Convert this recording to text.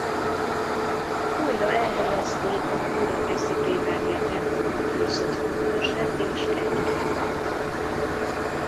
Újra elhelyezték a Budakeszi plébániatemplomban őrzött fatörzset és kegyképet.